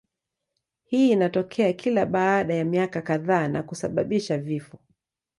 Hii inatokea kila baada ya miaka kadhaa na kusababisha vifo.